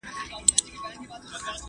فيوډالي نظام د ټولني په جوړښت اغېز درلود.